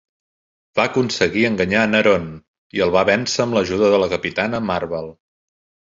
Va aconseguir enganyar Neron i el va vèncer amb l'ajuda de la Capitana Marvel.